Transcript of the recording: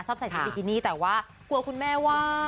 ใส่ชุดบิกินี่แต่ว่ากลัวคุณแม่ว่า